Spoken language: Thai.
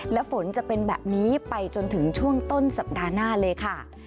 และฝนจะเป็นแบบนี้ไปจนถึงช่วงต้นสัปดาห์หน้าเลยค่ะ